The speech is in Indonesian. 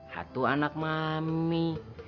hatu anak mami